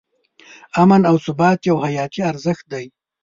امن او ثبات یو حیاتي ارزښت دی.